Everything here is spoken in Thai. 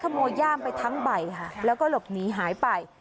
โมย่ามไปทั้งใบค่ะแล้วก็หลบหนีหายไป